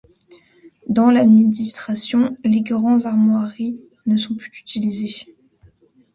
Dans l'administration, les grandes armoiries ne sont plus utilisées.